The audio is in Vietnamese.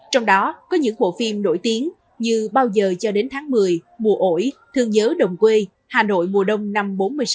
trong đó có những bộ phim nổi tiếng như bao giờ cho đến tháng một mươi mùa ổi thương nhớ đồng quê hà nội mùa đông năm bốn mươi sáu